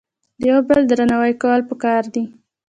د یو بل درناوی کول په کار دي